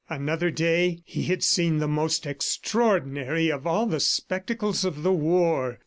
Another day he had seen the most extraordinary of all the spectacles of the war.